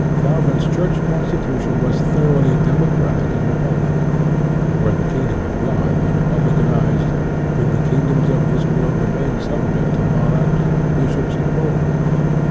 Calvin's church constitution was thoroughly democratic and republican; and where the kingdom of God was republicanized, could the kingdoms of this world remain subject to monarchs, bishops, and lords?